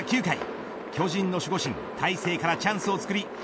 ９回巨人の守護神大勢からチャンスを作り